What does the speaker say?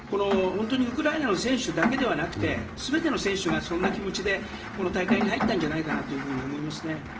本当にウクライナの選手だけではなくて全ての選手がそんな気持ちでこの大会に入ったんじゃないかと思います。